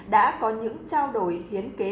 đã có những trao đổi hiến kế